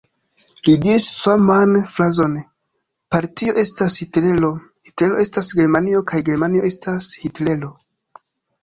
Li diris faman frazon: "Partio estas Hitlero, Hitlero estas Germanio kaj Germanio estas Hitlero!".